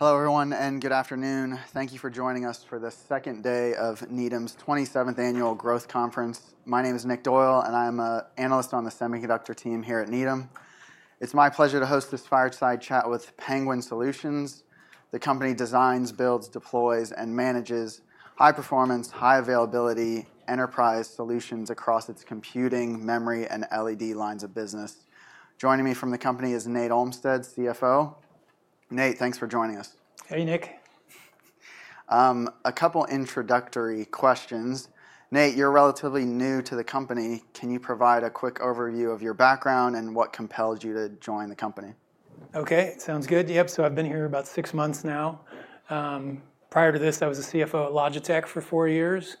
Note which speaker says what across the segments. Speaker 1: Hello, everyone, and good afternoon. Thank you for joining us for the second day of Needham's 27th Annual Growth Conference. My name is Nick Doyle, and I'm an analyst on the semiconductor team here at Needham. It's my pleasure to host this fireside chat with Penguin Solutions, the company designs, builds, deploys, and manages high-performance, high-availability enterprise solutions across its computing, memory, and LED lines of business. Joining me from the company is Nate Olmstead, CFO. Nate, thanks for joining us.
Speaker 2: Hey, Nick.
Speaker 1: A couple of introductory questions. Nate, you're relatively new to the company. Can you provide a quick overview of your background and what compelled you to join the company?
Speaker 2: OK, sounds good. Yep, so I've been here about six months now. Prior to this, I was a CFO at Logitech for four years.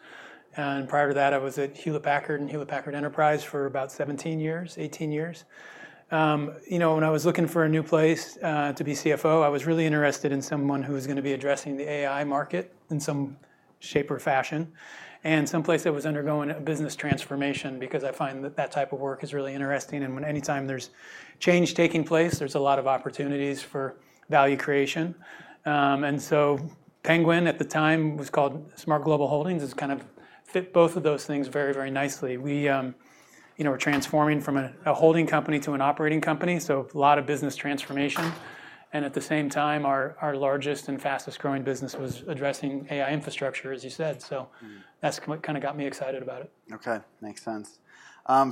Speaker 2: And prior to that, I was at Hewlett Packard and Hewlett Packard Enterprise for about 17 years, 18 years. You know, when I was looking for a new place to be CFO, I was really interested in someone who was going to be addressing the AI market in some shape or fashion, and someplace that was undergoing a business transformation, because I find that that type of work is really interesting. And anytime there's change taking place, there's a lot of opportunities for value creation. And so Penguin, at the time, was called SMART Global Holdings. It kind of fit both of those things very, very nicely. We were transforming from a holding company to an operating company, so a lot of business transformation. And at the same time, our largest and fastest-growing business was addressing AI infrastructure, as you said. So that's what kind of got me excited about it.
Speaker 1: OK, makes sense.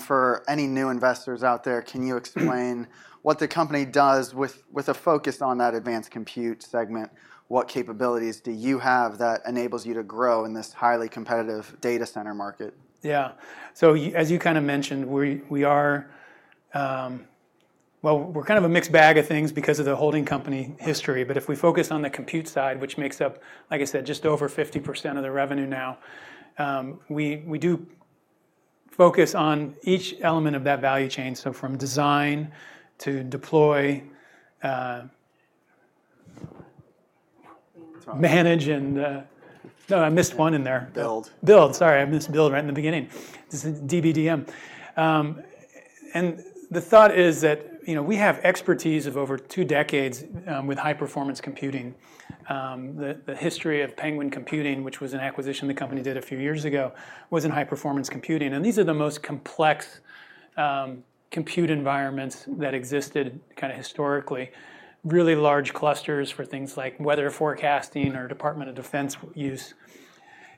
Speaker 1: For any new investors out there, can you explain what the company does with a focus on that advanced compute segment? What capabilities do you have that enables you to grow in this highly competitive data center market?
Speaker 2: Yeah, so as you kind of mentioned, we are kind of a mixed bag of things because of the holding company history. But if we focus on the compute side, which makes up, like I said, just over 50% of the revenue now, we do focus on each element of that value chain, so from design to deploy, manage, and no, I missed one in there.
Speaker 1: Build.
Speaker 2: Build, sorry, I missed build right in the beginning. This is DBDM. And the thought is that we have expertise of over two decades with high-performance computing. The history of Penguin Computing, which was an acquisition the company did a few years ago, was in high-performance computing. And these are the most complex compute environments that existed kind of historically, really large clusters for things like weather forecasting or Department of Defense use.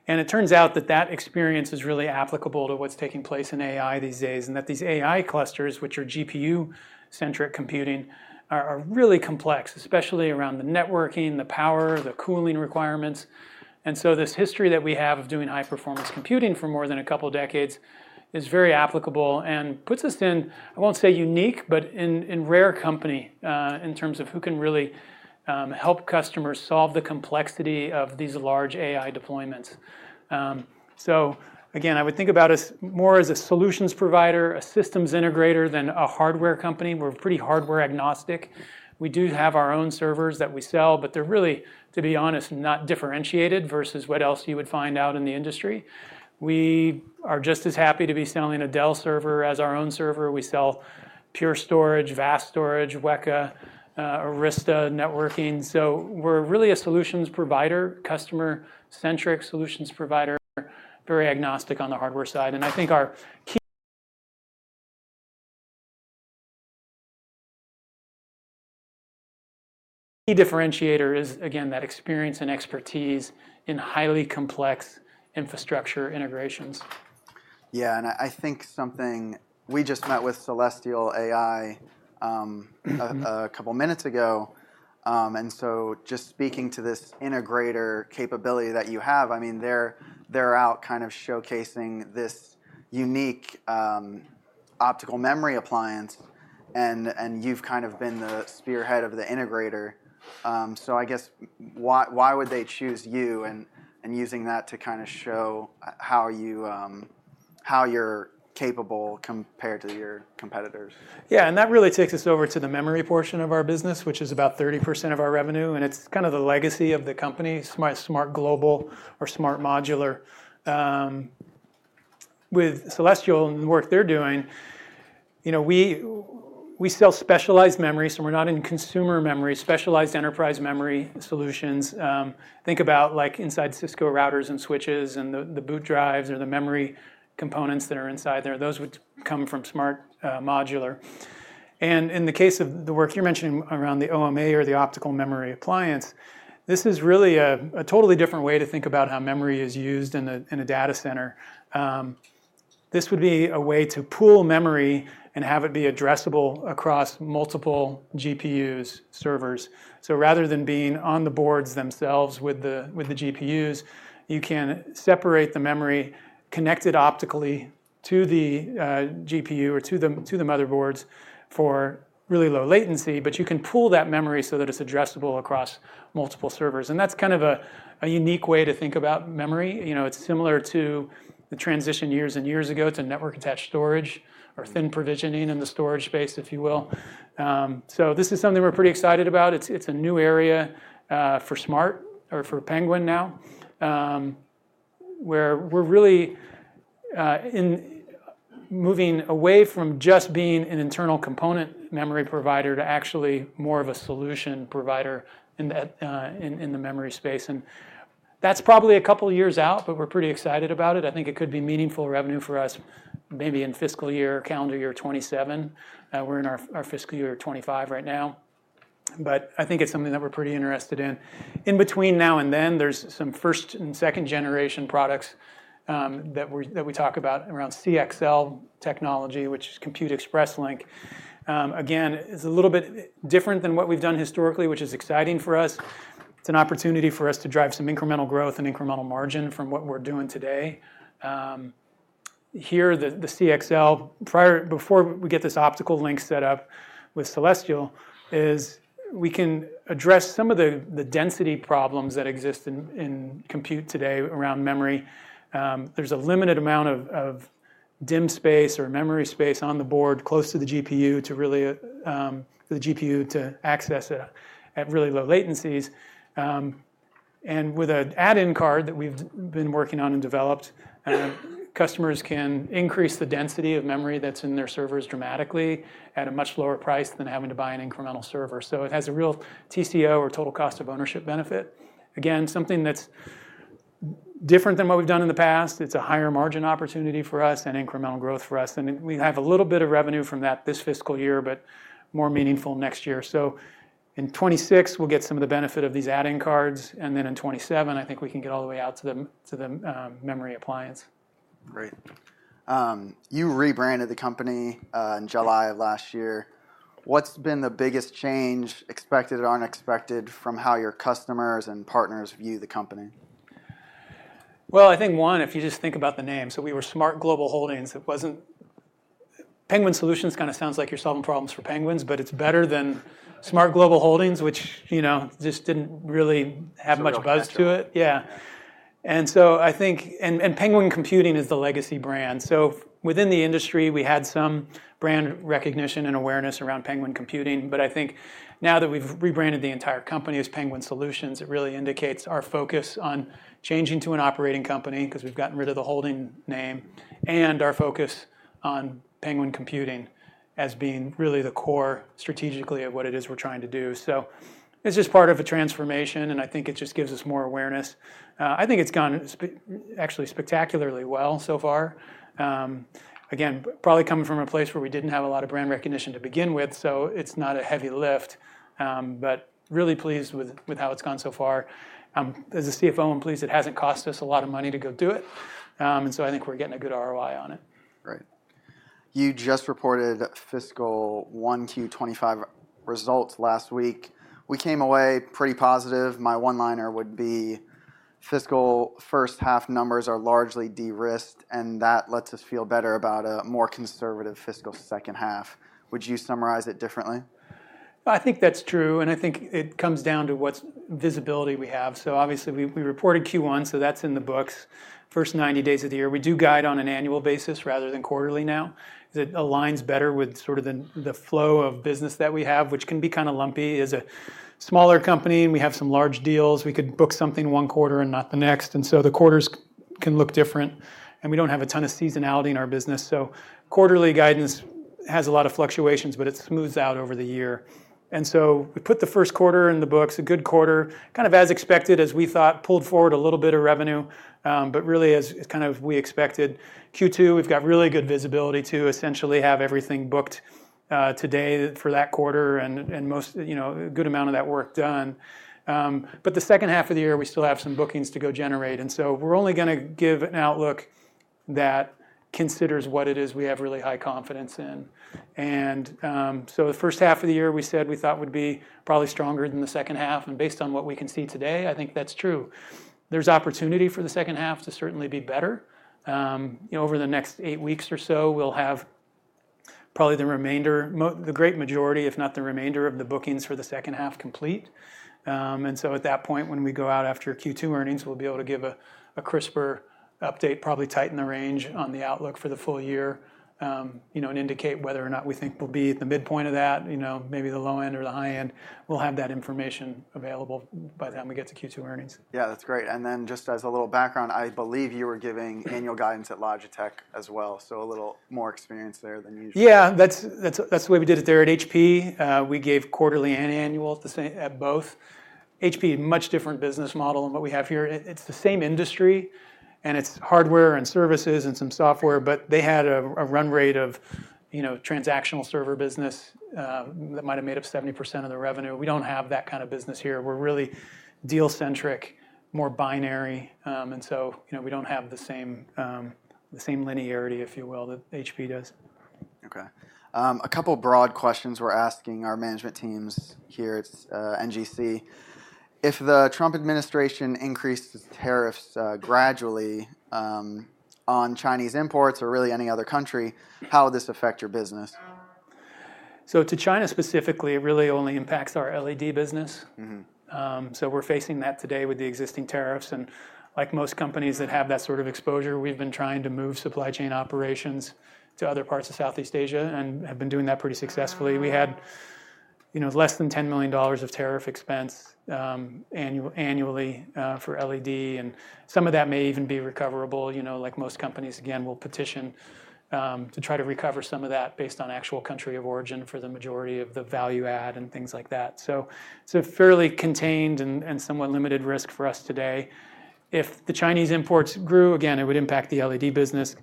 Speaker 2: And it turns out that that experience is really applicable to what's taking place in AI these days, and that these AI clusters, which are GPU-centric computing, are really complex, especially around the networking, the power, the cooling requirements. And so this history that we have of doing high-performance computing for more than a couple of decades is very applicable and puts us in, I won't say unique, but in rare company in terms of who can really help customers solve the complexity of these large AI deployments. So again, I would think about us more as a solutions provider, a systems integrator than a hardware company. We're pretty hardware agnostic. We do have our own servers that we sell, but they're really, to be honest, not differentiated versus what else you would find out in the industry. We are just as happy to be selling a Dell server as our own server. We sell Pure Storage, VAST Data, Weka, Arista networking. So we're really a solutions provider, customer-centric solutions provider, very agnostic on the hardware side. I think our key differentiator is, again, that experience and expertise in highly complex infrastructure integrations.
Speaker 1: Yeah, and I think, something we just met with Celestial AI a couple of minutes ago. And so, just speaking to this integrator capability that you have, I mean, they're out kind of showcasing this unique optical memory appliance, and you've kind of been the spearhead of the integrator. So, I guess, why would they choose you and using that to kind of show how you're capable compared to your competitors?
Speaker 2: Yeah, and that really takes us over to the memory portion of our business, which is about 30% of our revenue. And it's kind of the legacy of the company, SMART Global or SMART Modular. With Celestial and the work they're doing, we sell specialized memory, so we're not in consumer memory, specialized enterprise memory solutions. Think about like inside Cisco routers and switches and the boot drives or the memory components that are inside there. Those would come from SMART Modular. And in the case of the work you're mentioning around the OMA or the optical memory appliance, this is really a totally different way to think about how memory is used in a data center. This would be a way to pool memory and have it be addressable across multiple GPUs, servers. So rather than being on the boards themselves with the GPUs, you can separate the memory, connect it optically to the GPU or to the motherboards for really low latency, but you can pool that memory so that it's addressable across multiple servers. And that's kind of a unique way to think about memory. It's similar to the transition years and years ago to network-attached storage or thin provisioning in the storage space, if you will. So this is something we're pretty excited about. It's a new area for SMART We're in our fiscal year 2025 right now. But I think it's something that we're pretty interested in. In between now and then, there's some first- and second-generation products that we talk about around CXL technology, which is Compute Express Link. Again, it's a little bit different than what we've done historically, which is exciting for us. It's an opportunity for us to drive some incremental growth and incremental margin from what we're doing today. Here, the CXL, before we get this optical link set up with Celestial, is we can address some of the density problems that exist in compute today around memory. There's a limited amount of DIMM space or memory space on the board close to the GPU to really for the GPU to access it at really low latencies. And with an add-in card that we've been working on and developed, customers can increase the density of memory that's in their servers dramatically at a much lower price than having to buy an incremental server. So it has a real TCO or total cost of ownership benefit. Again, something that's different than what we've done in the past. It's a higher margin opportunity for us and incremental growth for us. And we have a little bit of revenue from that this fiscal year, but more meaningful next year. So in 2026, we'll get some of the benefit of these add-in cards. And then in 2027, I think we can get all the way out to the memory appliance.
Speaker 1: Great. You rebranded the company in July of last year. What's been the biggest change, expected or unexpected, from how your customers and partners view the company?
Speaker 2: I think one, if you just think about the name. So we were Smart Global Holdings. Penguin Solutions kind of sounds like you're solving problems for penguins, but it's better than Smart Global Holdings, which just didn't really have much buzz to it.
Speaker 1: It wasn't buzzed.
Speaker 2: Yeah. And so I think and Penguin Computing is the legacy brand. So within the industry, we had some brand recognition and awareness around Penguin Computing. But I think now that we've rebranded the entire company as Penguin Solutions, it really indicates our focus on changing to an operating company, because we've gotten rid of the holding name, and our focus on Penguin Computing as being really the core strategically of what it is we're trying to do. So it's just part of a transformation, and I think it just gives us more awareness. I think it's gone actually spectacularly well so far. Again, probably coming from a place where we didn't have a lot of brand recognition to begin with, so it's not a heavy lift. But really pleased with how it's gone so far. As a CFO, I'm pleased it hasn't cost us a lot of money to go do it, and so I think we're getting a good ROI on it.
Speaker 1: Great. You just reported fiscal 1Q25 results last week. We came away pretty positive. My one-liner would be fiscal first half numbers are largely de-risked, and that lets us feel better about a more conservative fiscal second half. Would you summarize it differently?
Speaker 2: I think that's true, and I think it comes down to what visibility we have, so obviously, we reported Q1, so that's in the books, first 90 days of the year. We do guide on an annual basis rather than quarterly now. It aligns better with sort of the flow of business that we have, which can be kind of lumpy. As a smaller company, we have some large deals. We could book something one quarter and not the next, and so the quarters can look different, and we don't have a ton of seasonality in our business. So quarterly guidance has a lot of fluctuations, but it smooths out over the year, and so we put the first quarter in the books, a good quarter, kind of as expected, as we thought, pulled forward a little bit of revenue, but really as kind of we expected. Q2, we've got really good visibility to essentially have everything booked today for that quarter and a good amount of that work done. But the second half of the year, we still have some bookings to go generate. And so we're only going to give an outlook that considers what it is we have really high confidence in. And so the first half of the year, we said we thought would be probably stronger than the second half. And based on what we can see today, I think that's true. There's opportunity for the second half to certainly be better. Over the next eight weeks or so, we'll have probably the remainder, the great majority, if not the remainder of the bookings for the second half complete. And so at that point, when we go out after Q2 earnings, we'll be able to give a crisper update, probably tighten the range on the outlook for the full year and indicate whether or not we think we'll be at the midpoint of that, maybe the low end or the high end. We'll have that information available by the time we get to Q2 earnings.
Speaker 1: Yeah, that's great, and then just as a little background, I believe you were giving annual guidance at Logitech as well, so a little more experience there than usual.
Speaker 2: Yeah, that's the way we did it there at HP. We gave quarterly and annual at both. HP is a much different business model than what we have here. It's the same industry, and it's hardware and services and some software, but they had a run rate of transactional server business that might have made up 70% of the revenue. We don't have that kind of business here. We're really deal-centric, more binary. And so we don't have the same linearity, if you will, that HP does.
Speaker 1: OK. A couple of broad questions we're asking our management teams here. It's NGC. If the Trump administration increases tariffs gradually on Chinese imports or really any other country, how would this affect your business?
Speaker 2: So to China specifically, it really only impacts our LED business. So we're facing that today with the existing tariffs. And like most companies that have that sort of exposure, we've been trying to move supply chain operations to other parts of Southeast Asia and have been doing that pretty successfully. We had less than $10 million of tariff expense annually for LED. And some of that may even be recoverable. Like most companies, again, will petition to try to recover some of that based on actual country of origin for the majority of the value add and things like that. So it's a fairly contained and somewhat limited risk for us today. If the Chinese imports grew, again, it would impact the LED business.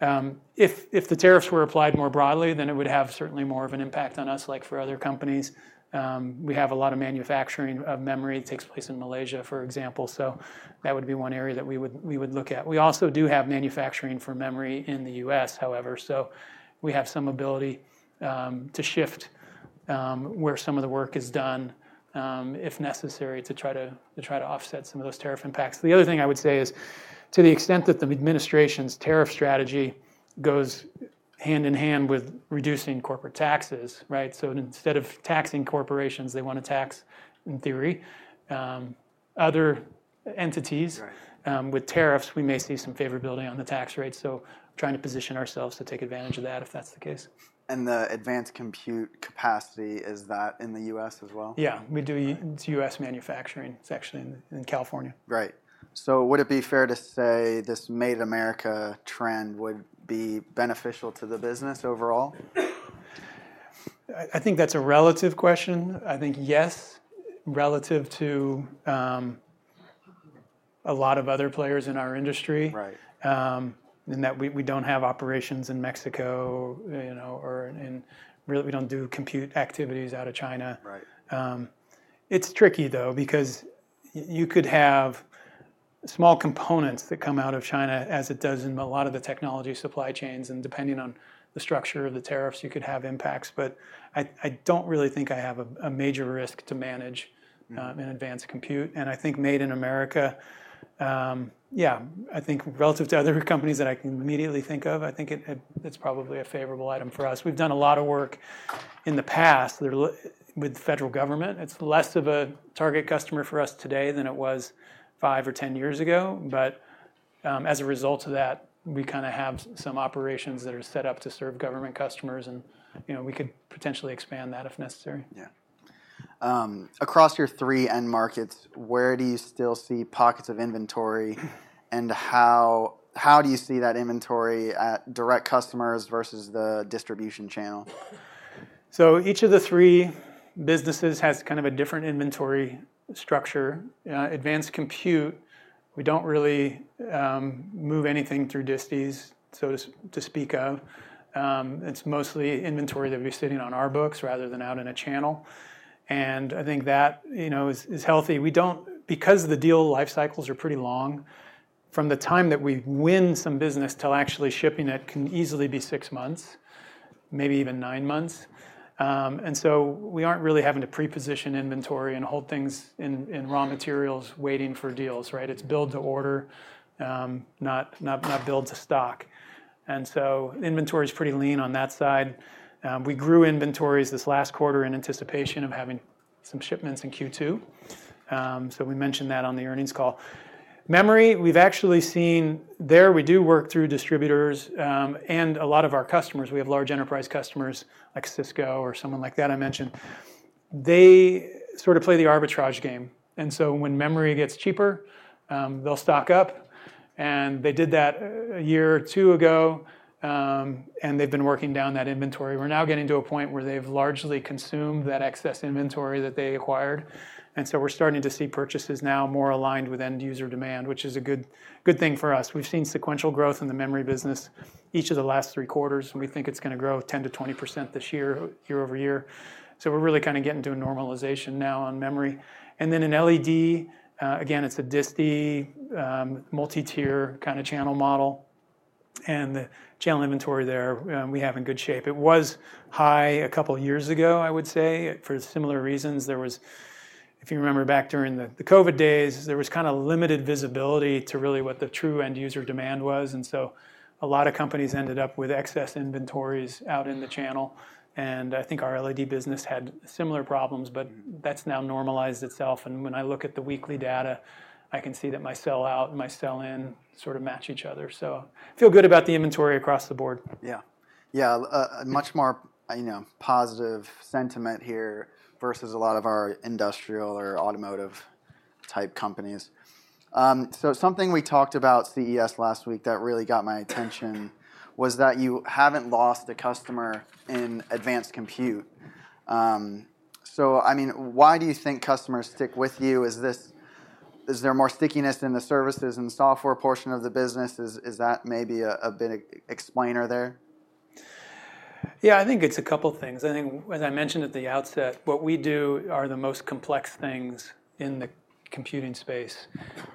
Speaker 2: If the tariffs were applied more broadly, then it would have certainly more of an impact on us like for other companies. We have a lot of manufacturing of memory. It takes place in Malaysia, for example, so that would be one area that we would look at. We also do have manufacturing for memory in the U.S., however, so we have some ability to shift where some of the work is done, if necessary, to try to offset some of those tariff impacts. The other thing I would say is, to the extent that the administration's tariff strategy goes hand in hand with reducing corporate taxes, right, so instead of taxing corporations, they want to tax, in theory, other entities. With tariffs, we may see some favorability on the tax rate, so trying to position ourselves to take advantage of that if that's the case.
Speaker 1: The advanced compute capacity, is that in the U.S. as well?
Speaker 2: Yeah, we do. It's U.S. manufacturing. It's actually in California.
Speaker 1: Great. So would it be fair to say this Made in America trend would be beneficial to the business overall?
Speaker 2: I think that's a relative question. I think yes, relative to a lot of other players in our industry in that we don't have operations in Mexico or in really, we don't do compute activities out of China. It's tricky, though, because you could have small components that come out of China, as it does in a lot of the technology supply chains, and depending on the structure of the tariffs, you could have impacts, but I don't really think I have a major risk to manage in advanced compute, and I think made in America, yeah, I think relative to other companies that I can immediately think of, I think it's probably a favorable item for us. We've done a lot of work in the past with the federal government. It's less of a target customer for us today than it was five or 10 years ago. But as a result of that, we kind of have some operations that are set up to serve government customers. And we could potentially expand that if necessary.
Speaker 1: Yeah. Across your three end markets, where do you still see pockets of inventory? And how do you see that inventory at direct customers versus the distribution channel?
Speaker 2: Each of the three businesses has kind of a different inventory structure. Advanced Compute, we don't really move anything through disties, so to speak of. It's mostly inventory that we're sitting on our books rather than out in a channel. And I think that is healthy. Because the deal life cycles are pretty long, from the time that we win some business till actually shipping, that can easily be six months, maybe even nine months. And so we aren't really having to pre-position inventory and hold things in raw materials waiting for deals, right? It's build to order, not build to stock. And so inventory is pretty lean on that side. We grew inventories this last quarter in anticipation of having some shipments in Q2. So we mentioned that on the earnings call. Memory, we've actually seen there, we do work through distributors. A lot of our customers, we have large enterprise customers like Cisco or someone like that I mentioned, they sort of play the arbitrage game. So when memory gets cheaper, they'll stock up. And they did that a year or two ago. And they've been working down that inventory. We're now getting to a point where they've largely consumed that excess inventory that they acquired. And so we're starting to see purchases now more aligned with end user demand, which is a good thing for us. We've seen sequential growth in the memory business each of the last three quarters. And we think it's going to grow 10%-20% this year, year-over-year. So we're really kind of getting to a normalization now on memory. And then in LED, again, it's a distie multi-tier kind of channel model. The channel inventory there, we have in good shape. It was high a couple of years ago, I would say, for similar reasons. There was, if you remember back during the COVID days, there was kind of limited visibility to really what the true end user demand was. And so a lot of companies ended up with excess inventories out in the channel. And I think our LED business had similar problems, but that's now normalized itself. And when I look at the weekly data, I can see that my sell out and my sell in sort of match each other. So I feel good about the inventory across the board.
Speaker 1: Yeah. Yeah, much more positive sentiment here versus a lot of our industrial or automotive type companies. So something we talked about CES last week that really got my attention was that you haven't lost a customer in advanced compute. So I mean, why do you think customers stick with you? Is there more stickiness in the services and software portion of the business? Is that maybe a bit of an explainer there?
Speaker 2: Yeah, I think it's a couple of things. I think, as I mentioned at the outset, what we do are the most complex things in the computing space,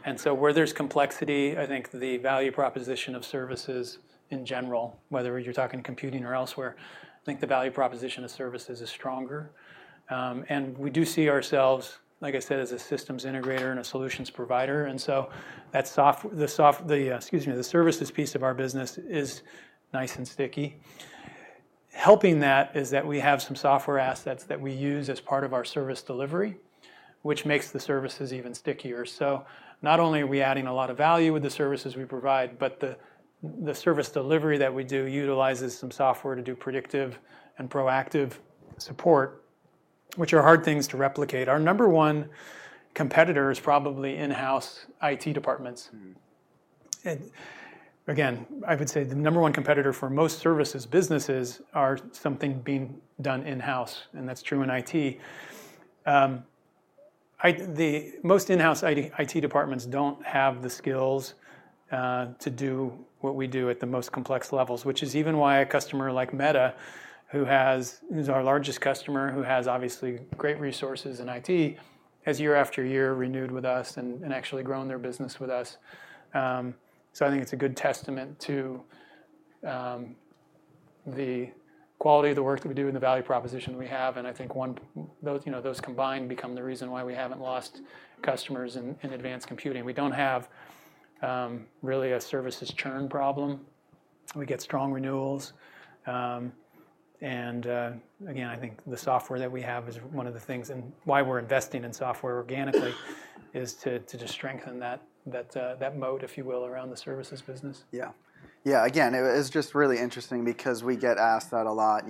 Speaker 2: and so where there's complexity, I think the value proposition of services in general, whether you're talking computing or elsewhere, I think the value proposition of services is stronger, and we do see ourselves, like I said, as a systems integrator and a solutions provider, and so the services piece of our business is nice and sticky. Helping that is that we have some software assets that we use as part of our service delivery, which makes the services even stickier, so not only are we adding a lot of value with the services we provide, but the service delivery that we do utilizes some software to do predictive and proactive support, which are hard things to replicate. Our number one competitor is probably in-house IT departments, and again, I would say the number one competitor for most services businesses are something being done in-house, and that's true in IT. Most in-house IT departments don't have the skills to do what we do at the most complex levels, which is even why a customer like Meta, who is our largest customer, who has obviously great resources in IT, has year after year renewed with us and actually grown their business with us, so I think it's a good testament to the quality of the work that we do and the value proposition we have, and I think those combined become the reason why we haven't lost customers in advanced computing. We don't have really a services churn problem. We get strong renewals, and again, I think the software that we have is one of the things. Why we're investing in software organically is to just strengthen that moat, if you will, around the services business.
Speaker 1: Yeah. Yeah, again, it is just really interesting because we get asked that a lot.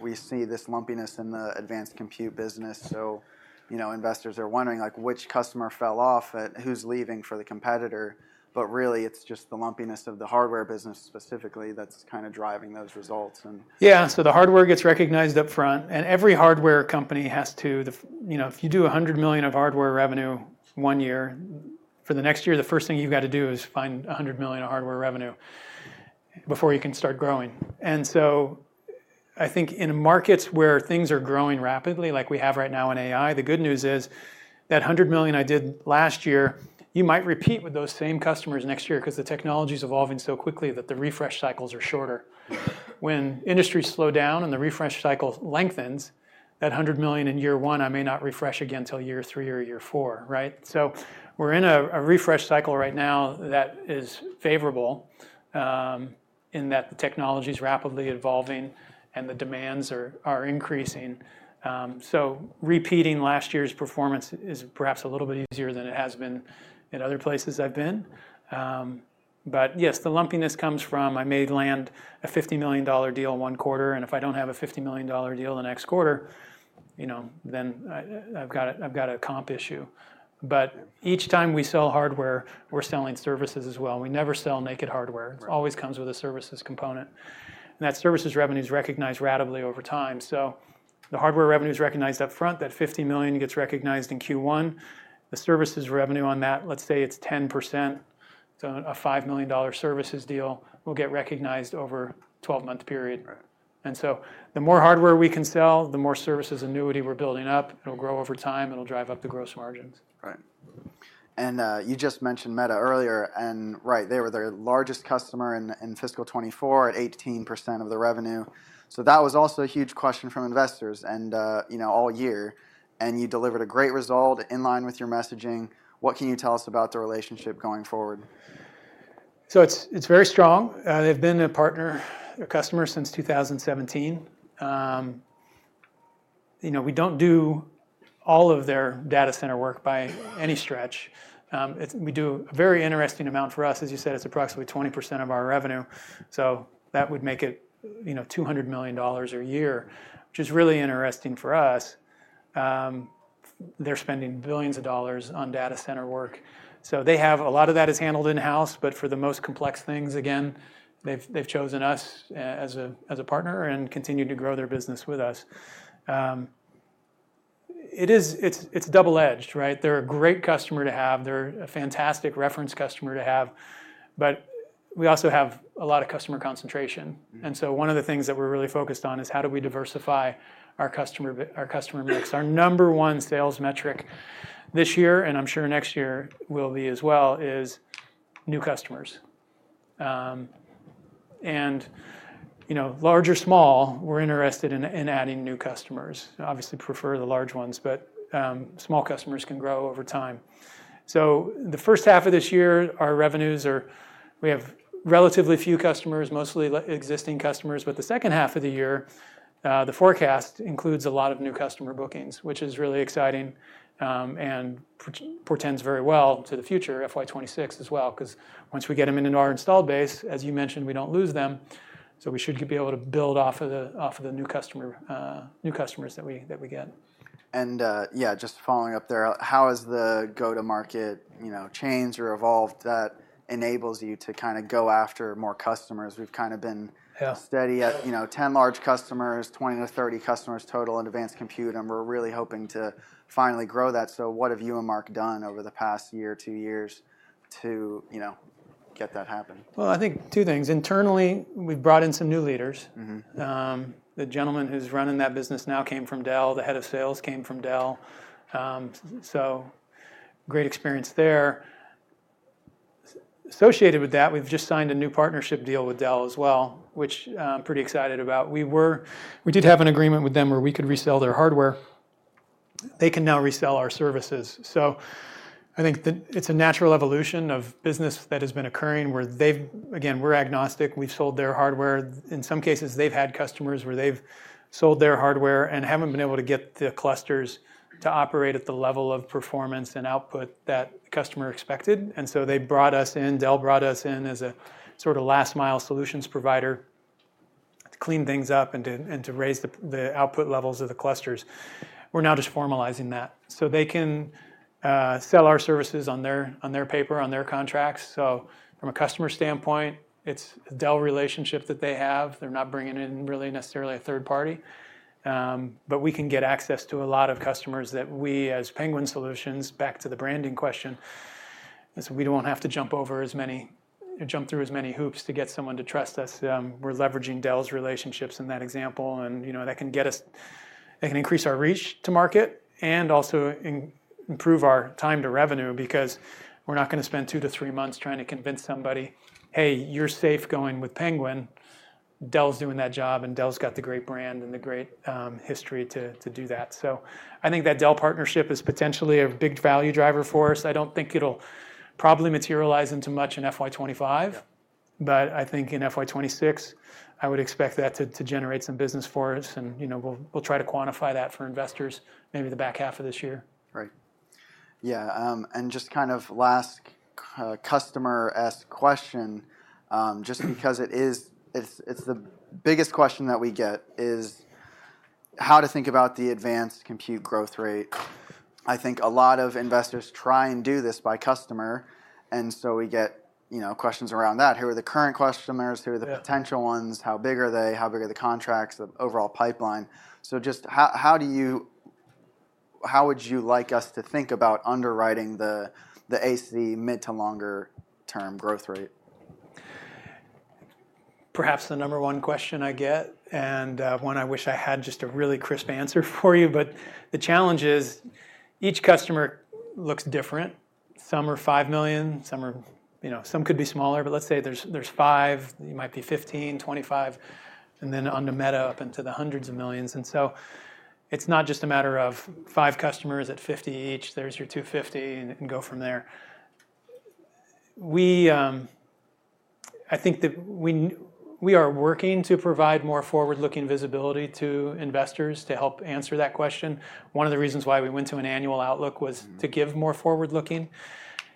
Speaker 1: We see this lumpiness in the advanced compute business. So investors are wondering which customer fell off and who's leaving for the competitor. But really, it's just the lumpiness of the hardware business specifically that's kind of driving those results.
Speaker 2: Yeah, so the hardware gets recognized upfront. And every hardware company has to, if you do $100 million of hardware revenue one year, for the next year, the first thing you've got to do is find $100 million of hardware revenue before you can start growing. And so I think in markets where things are growing rapidly, like we have right now in AI, the good news is that $100 million I did last year, you might repeat with those same customers next year because the technology is evolving so quickly that the refresh cycles are shorter. When industry slowed down and the refresh cycle lengthens, that $100 million in year one, I may not refresh again until year three or year four, right? So we're in a refresh cycle right now that is favorable in that the technology is rapidly evolving and the demands are increasing. So repeating last year's performance is perhaps a little bit easier than it has been in other places I've been. But yes, the lumpiness comes from I may land a $50 million deal one quarter. And if I don't have a $50 million deal the next quarter, then I've got a comp issue. But each time we sell hardware, we're selling services as well. We never sell naked hardware. It always comes with a services component. And that services revenue is recognized ratably over time. So the hardware revenue is recognized upfront. That $50 million gets recognized in Q1. The services revenue on that, let's say it's 10%. So a $5 million services deal will get recognized over a 12-month period. And so the more hardware we can sell, the more services annuity we're building up. It'll grow over time. It'll drive up the gross margins.
Speaker 1: Right. And you just mentioned Meta earlier. And right, they were their largest customer in fiscal 2024 at 18% of the revenue. So that was also a huge question from investors all year. And you delivered a great result in line with your messaging. What can you tell us about the relationship going forward?
Speaker 2: So it's very strong. They've been a partner, a customer since 2017. We don't do all of their data center work by any stretch. We do a very interesting amount for us. As you said, it's approximately 20% of our revenue. So that would make it $200 million a year, which is really interesting for us. They're spending billions of dollars on data center work. So a lot of that is handled in-house. But for the most complex things, again, they've chosen us as a partner and continued to grow their business with us. It's double-edged, right? They're a great customer to have. They're a fantastic reference customer to have. But we also have a lot of customer concentration. And so one of the things that we're really focused on is how do we diversify our customer mix. Our number one sales metric this year, and I'm sure next year will be as well, is new customers. And large or small, we're interested in adding new customers. Obviously, prefer the large ones. But small customers can grow over time. So the first half of this year, our revenues, we have relatively few customers, mostly existing customers. But the second half of the year, the forecast includes a lot of new customer bookings, which is really exciting and portends very well to the future, FY 2026 as well. Because once we get them into our installed base, as you mentioned, we don't lose them. So we should be able to build off of the new customers that we get.
Speaker 1: Yeah, just following up there, how has the go-to-market strategy evolved that enables you to kind of go after more customers? We've kind of been steady at 10 large customers, 20-30 customers total in advanced compute. We're really hoping to finally grow that. What have you and Mark done over the past year or two years to get that to happen?
Speaker 2: Well, I think two things. Internally, we've brought in some new leaders. The gentleman who's running that business now came from Dell. The head of sales came from Dell. So great experience there. Associated with that, we've just signed a new partnership deal with Dell as well, which I'm pretty excited about. We did have an agreement with them where we could resell their hardware. They can now resell our services. So I think it's a natural evolution of business that has been occurring where they've, again, we're agnostic. We've sold their hardware. In some cases, they've had customers where they've sold their hardware and haven't been able to get the clusters to operate at the level of performance and output that the customer expected. And so they brought us in. Dell brought us in as a sort of last-mile solutions provider to clean things up and to raise the output levels of the clusters. We're now just formalizing that. So they can sell our services on their paper, on their contracts. So from a customer standpoint, it's a Dell relationship that they have. They're not bringing in really necessarily a third party. But we can get access to a lot of customers that we, as Penguin Solutions, back to the branding question, we don't have to jump through as many hoops to get someone to trust us. We're leveraging Dell's relationships in that example. That can increase our reach to market and also improve our time to revenue because we're not going to spend two to three months trying to convince somebody, "Hey, you're safe going with Penguin." Dell's doing that job. And Dell's got the great brand and the great history to do that. So I think that Dell partnership is potentially a big value driver for us. I don't think it'll probably materialize into much in FY 2025. But I think in FY 2026, I would expect that to generate some business for us. And we'll try to quantify that for investors maybe the back half of this year.
Speaker 1: Right. Yeah. And just kind of last customer-esque question, just because it is, it's the biggest question that we get is how to think about the advanced compute growth rate. I think a lot of investors try and do this by customer. And so we get questions around that. Who are the current customers? Who are the potential ones? How big are they? How big are the contracts, the overall pipeline? So just how would you like us to think about underwriting the AC mid to longer-term growth rate?
Speaker 2: Perhaps the number one question I get, and one I wish I had just a really crisp answer for you, but the challenge is each customer looks different. Some are $5 million. Some could be smaller, but let's say there's five. It might be $15 million-$25 million, and then onto Meta up into the $hundreds of millions, and so it's not just a matter of five customers at $50 million each. There's your $250 million and go from there. I think that we are working to provide more forward-looking visibility to investors to help answer that question. One of the reasons why we went to an annual outlook was to give more forward-looking,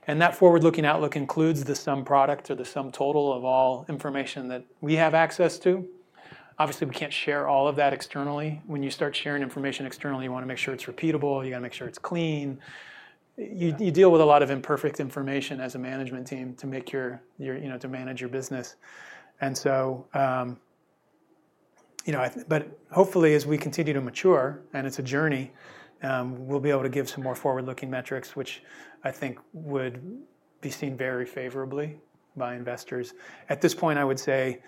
Speaker 2: and that forward-looking outlook includes the sum product or the sum total of all information that we have access to. Obviously, we can't share all of that externally. When you start sharing information externally, you want to make sure it's repeatable. You got to make sure it's clean. You deal with a lot of imperfect information as a management team to manage your business. And so, but hopefully, as we continue to mature, and it's a journey, we'll be able to give some more forward-looking metrics, which I think would be seen very favorably by investors. At this point, I would say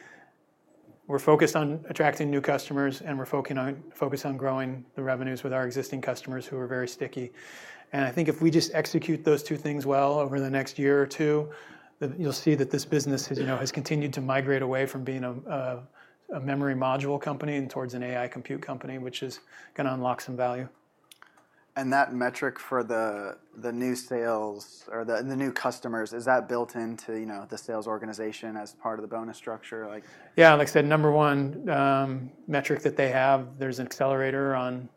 Speaker 2: we're focused on attracting new customers. And we're focused on growing the revenues with our existing customers who are very sticky. And I think if we just execute those two things well over the next year or two, you'll see that this business has continued to migrate away from being a memory module company and towards an AI compute company, which is going to unlock some value.
Speaker 1: That metric for the new sales or the new customers, is that built into the sales organization as part of the bonus structure?
Speaker 2: Yeah. Like I said, number one metric that they have, there's an accelerator on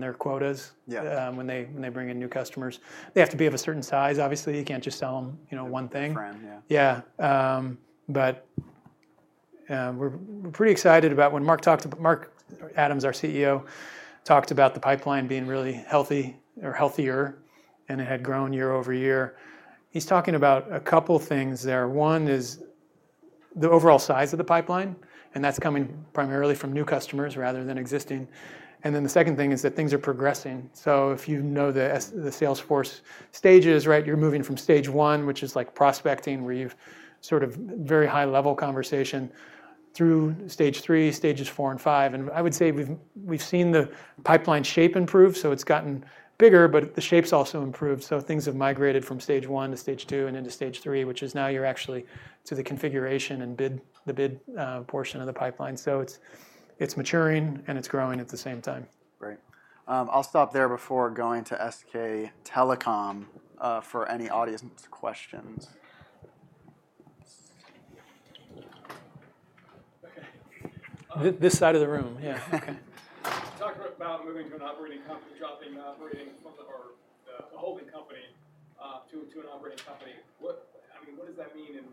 Speaker 2: their quotas when they bring in new customers. They have to be of a certain size, obviously. You can't just sell them one thing.
Speaker 1: A different yeah.
Speaker 2: Yeah. But we're pretty excited about when Mark Adams, our CEO, talked about the pipeline being really healthy or healthier and it had grown year over year. He's talking about a couple of things there. One is the overall size of the pipeline, and that's coming primarily from new customers rather than existing, and then the second thing is that things are progressing, so if you know the Salesforce stages, right, you're moving from stage one, which is like prospecting, where you've sort of very high-level conversation, through stage three, stages four and five, and I would say we've seen the pipeline shape improve, so it's gotten bigger, but the shape's also improved, so things have migrated from stage one to stage two and into stage three, which is now you're actually to the configuration and the bid portion of the pipeline, so it's maturing. It's growing at the same time.
Speaker 1: Great. I'll stop there before going to SK Telecom for any audience questions.
Speaker 2: This side of the room. Yeah.
Speaker 1: OK. Talk about moving to an operating company, dropping the operating or the holding company to an operating company. I mean, what does that mean in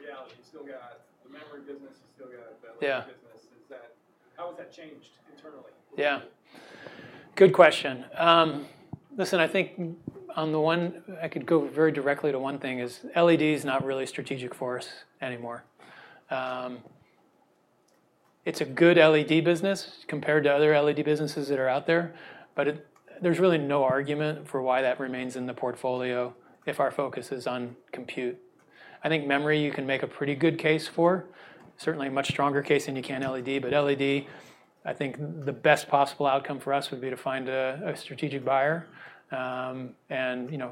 Speaker 1: reality? You still got the memory business. You still got the business. How has that changed internally?
Speaker 2: Yeah. Good question. Listen, I think on the one I could go very directly to one thing. LED is not really strategic for us anymore. It's a good LED business compared to other LED businesses that are out there. But there's really no argument for why that remains in the portfolio if our focus is on compute. I think memory you can make a pretty good case for, certainly a much stronger case than you can LED. But LED, I think the best possible outcome for us would be to find a strategic buyer and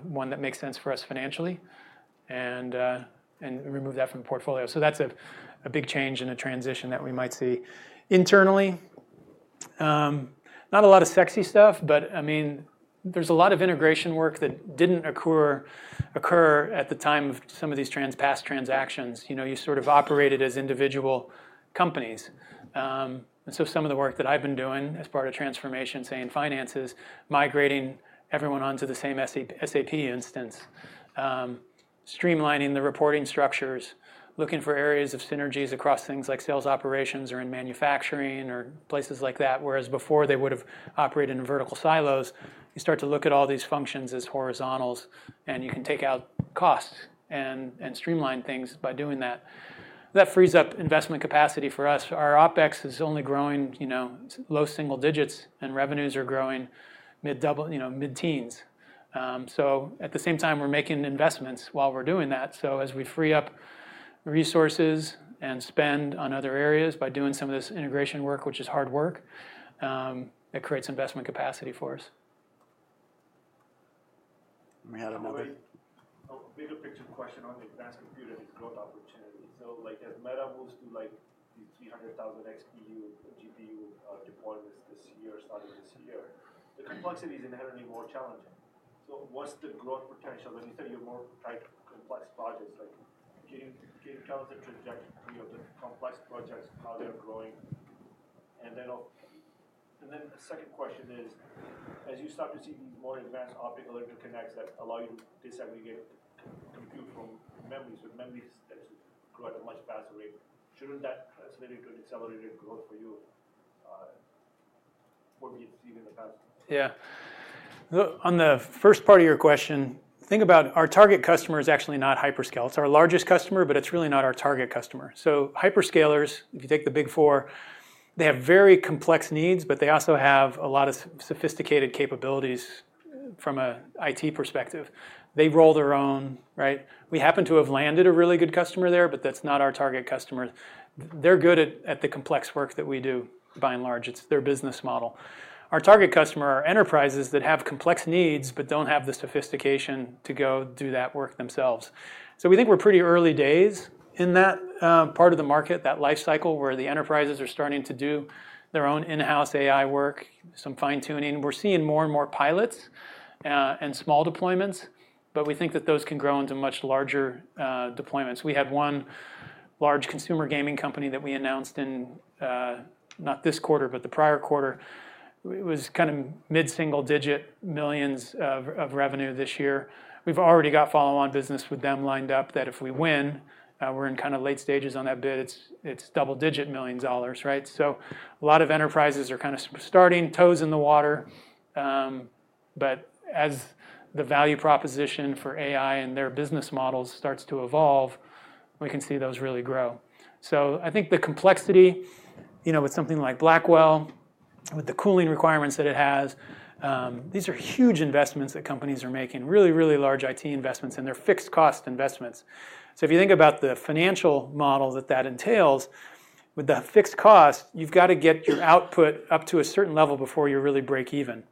Speaker 2: one that makes sense for us financially and remove that from the portfolio. So that's a big change and a transition that we might see internally. Not a lot of sexy stuff. But I mean, there's a lot of integration work that didn't occur at the time of some of these past transactions. You sort of operated as individual companies, and so some of the work that I've been doing as part of transformation, say in finances, migrating everyone onto the same SAP instance, streamlining the reporting structures, looking for areas of synergies across things like sales operations or in manufacturing or places like that. Whereas before, they would have operated in vertical silos, you start to look at all these functions as horizontals, and you can take out costs and streamline things by doing that. That frees up investment capacity for us. Our OpEx is only growing low single digits, and revenues are growing mid-teens, so at the same time, we're making investments while we're doing that, so as we free up resources and spend on other areas by doing some of this integration work, which is hard work, it creates investment capacity for us.
Speaker 1: We had another. A bigger picture question on the Advanced Computing's growth opportunity: So, like, if Meta moves to like these 300,000 XPU GPU deployments this year, starting this year, the complexity is inherently more challenging. So, what's the growth potential? When you say you're more into complex projects, like, can you tell us the trajectory of the complex projects, how they're growing? Then a second question is, as you start to see these more advanced optical interconnects that allow you to disaggregate compute from memory, so memory starts to grow at a much faster rate, shouldn't that translate into an accelerated growth for you, what we've seen in the past?
Speaker 2: Yeah. On the first part of your question, think about our target customer is actually not hyperscale. It's our largest customer. But it's really not our target customer. So hyperscalers, if you take the big four, they have very complex needs. But they also have a lot of sophisticated capabilities from an IT perspective. They roll their own, right? We happen to have landed a really good customer there. But that's not our target customer. They're good at the complex work that we do, by and large. It's their business model. Our target customer are enterprises that have complex needs but don't have the sophistication to go do that work themselves. So we think we're pretty early days in that part of the market, that life cycle where the enterprises are starting to do their own in-house AI work, some fine-tuning. We're seeing more and more pilots and small deployments. But we think that those can grow into much larger deployments. We had one large consumer gaming company that we announced in not this quarter, but the prior quarter. It was kind of mid-single-digit millions of revenue this year. We've already got follow-on business with them lined up that if we win, we're in kind of late stages on that bid. It's double-digit million dollars, right? So a lot of enterprises are kind of starting, toes in the water. But as the value proposition for AI and their business models starts to evolve, we can see those really grow. So I think the complexity with something like Blackwell, with the cooling requirements that it has, these are huge investments that companies are making, really, really large IT investments, and they're fixed-cost investments. So if you think about the financial model that that entails, with the fixed cost, you've got to get your output up to a certain level before you really break even,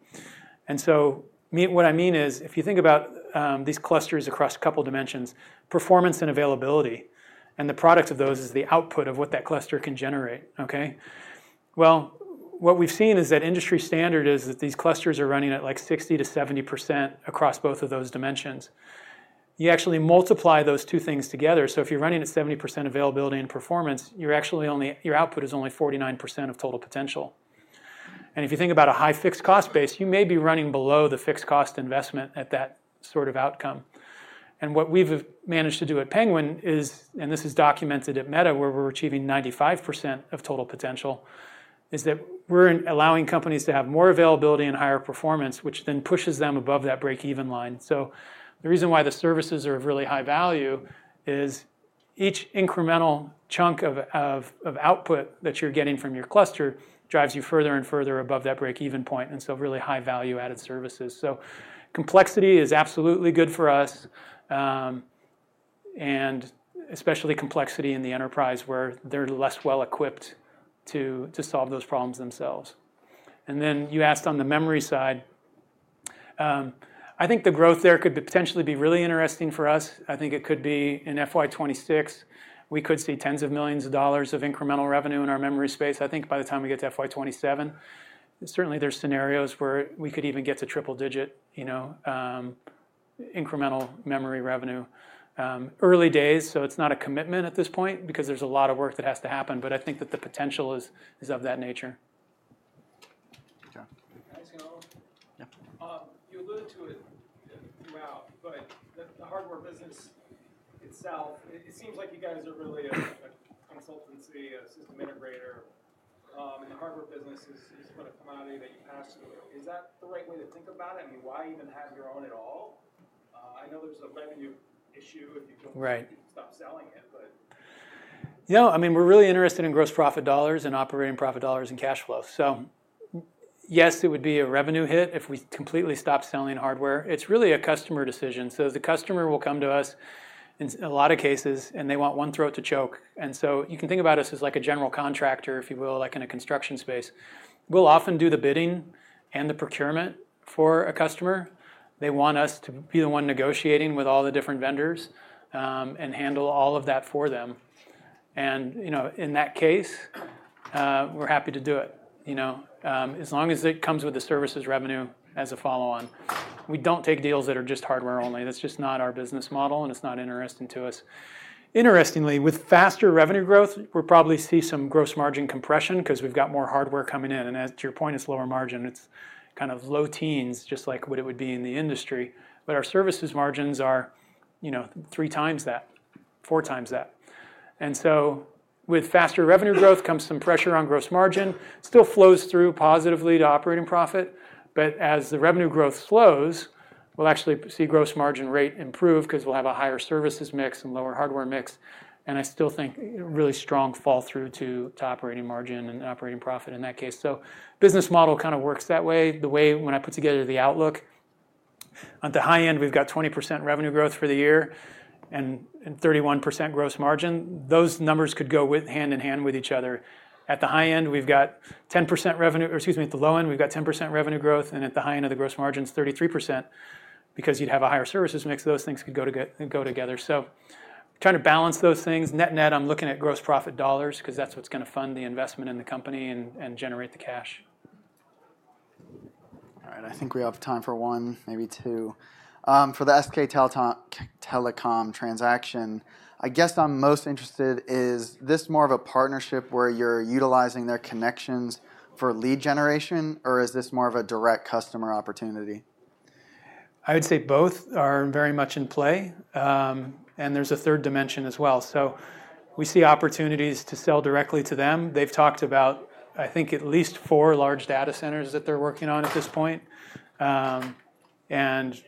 Speaker 2: and so what I mean is, if you think about these clusters across a couple of dimensions, performance and availability, and the product of those is the output of what that cluster can generate, OK?, well, what we've seen is that industry standard is that these clusters are running at like 60%-70% across both of those dimensions. You actually multiply those two things together, so if you're running at 70% availability and performance, your output is only 49% of total potential, and if you think about a high fixed-cost base, you may be running below the fixed-cost investment at that sort of outcome. And what we've managed to do at Penguin is, and this is documented at Meta, where we're achieving 95% of total potential, is that we're allowing companies to have more availability and higher performance, which then pushes them above that break-even line. So the reason why the services are of really high value is each incremental chunk of output that you're getting from your cluster drives you further and further above that break-even point. And so really high value-added services. So complexity is absolutely good for us, and especially complexity in the enterprise where they're less well-equipped to solve those problems themselves. And then you asked on the memory side. I think the growth there could potentially be really interesting for us. I think it could be in FY 2026. We could see tens of millions of dollars of incremental revenue in our memory space, I think, by the time we get to FY 2027. Certainly, there are scenarios where we could even get to triple-digit incremental memory revenue. Early days. So it's not a commitment at this point because there's a lot of work that has to happen. But I think that the potential is of that nature.
Speaker 1: OK. Thanks, gentlemen. Yeah. You alluded to it throughout. But the hardware business itself, it seems like you guys are really a consultancy, a system integrator. And the hardware business is sort of commodity that you pass to. Is that the right way to think about it? I mean, why even have your own at all? I know there's a revenue issue if you don't stop selling it.
Speaker 2: Yeah. I mean, we're really interested in gross profit dollars and operating profit dollars and cash flow. So yes, it would be a revenue hit if we completely stopped selling hardware. It's really a customer decision. So the customer will come to us in a lot of cases. And they want one throat to choke. And so you can think about us as like a general contractor, if you will, like in a construction space. We'll often do the bidding and the procurement for a customer. They want us to be the one negotiating with all the different vendors and handle all of that for them. And in that case, we're happy to do it as long as it comes with the services revenue as a follow-on. We don't take deals that are just hardware only. That's just not our business model. And it's not interesting to us. Interestingly, with faster revenue growth, we'll probably see some gross margin compression because we've got more hardware coming in, and to your point, it's lower margin. It's kind of low teens, just like what it would be in the industry, but our services margins are three times that, four times that, and so with faster revenue growth comes some pressure on gross margin. It still flows through positively to operating profit, but as the revenue growth slows, we'll actually see gross margin rate improve because we'll have a higher services mix and lower hardware mix, and I still think really strong flow through to operating margin and operating profit in that case, so business model kind of works that way. The way when I put together the outlook, on the high end, we've got 20% revenue growth for the year and 31% gross margin. Those numbers could go hand in hand with each other. At the high end, we've got 10% revenue. Or excuse me, at the low end, we've got 10% revenue growth. And at the high end of the gross margins, 33% because you'd have a higher services mix. Those things could go together. So trying to balance those things. Net net, I'm looking at gross profit dollars because that's what's going to fund the investment in the company and generate the cash.
Speaker 1: All right. I think we have time for one, maybe two. For the SK Telecom transaction, I guess I'm most interested is this more of a partnership where you're utilizing their connections for lead generation? Or is this more of a direct customer opportunity?
Speaker 2: I would say both are very much in play. And there's a third dimension as well. So we see opportunities to sell directly to them. They've talked about, I think, at least four large data centers that they're working on at this point. And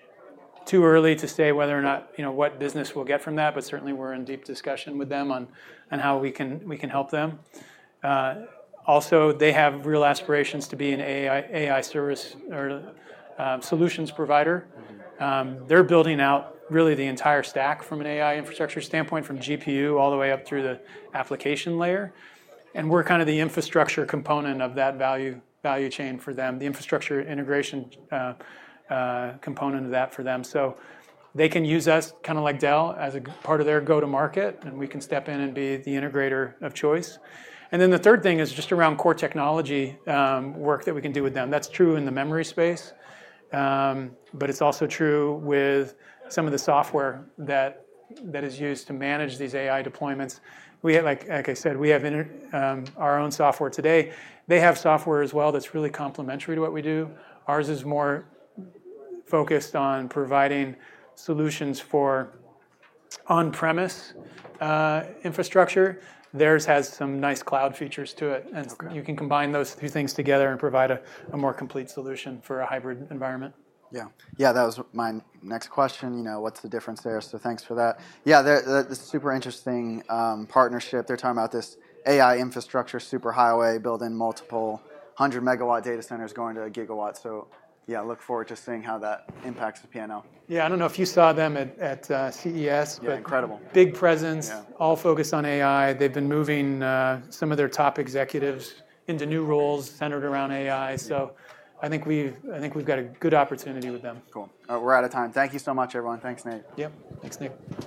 Speaker 2: too early to say whether or not what business we'll get from that. But certainly, we're in deep discussion with them on how we can help them. Also, they have real aspirations to be an AI service or solutions provider. They're building out really the entire stack from an AI infrastructure standpoint, from GPU all the way up through the application layer. And we're kind of the infrastructure component of that value chain for them, the infrastructure integration component of that for them. So they can use us kind of like Dell as a part of their go-to-market. We can step in and be the integrator of choice. Then the third thing is just around core technology work that we can do with them. That's true in the memory space. But it's also true with some of the software that is used to manage these AI deployments. Like I said, we have our own software today. They have software as well that's really complementary to what we do. Ours is more focused on providing solutions for on-premise infrastructure. Theirs has some nice cloud features to it. You can combine those two things together and provide a more complete solution for a hybrid environment.
Speaker 1: Yeah. Yeah, that was my next question. What's the difference there? So thanks for that. Yeah, that's a super interesting partnership. They're talking about this AI infrastructure superhighway, building multiple 100-megawatt data centers going to a gigawatt. So yeah, look forward to seeing how that impacts the P&L.
Speaker 2: Yeah. I don't know if you saw them at CES.
Speaker 1: Incredible.
Speaker 2: Big presence, all focused on AI. They've been moving some of their top executives into new roles centered around AI. So I think we've got a good opportunity with them.
Speaker 1: Cool. We're out of time. Thank you so much, everyone. Thanks, Nate.
Speaker 2: Yep. Thanks, Nick.